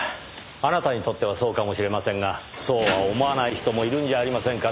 あなたにとってはそうかもしれませんがそうは思わない人もいるんじゃありませんかねぇ。